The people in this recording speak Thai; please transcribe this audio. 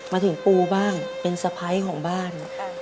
มาถึงปูบ้างเป็นสไพรส์ของบ้าน